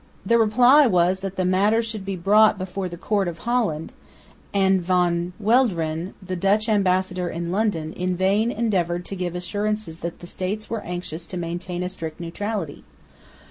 The reply was that the matter should be brought before the Court of Holland; and Van Welderen, the Dutch ambassador in London, in vain endeavoured to give assurances that the States were anxious to maintain a strict neutrality.